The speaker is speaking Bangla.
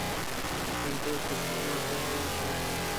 তাঁকে রক্ষা করতে এলে সেন্টু তাঁর সৎমা নুরজাহান বেগমকেও আঘাত করেন।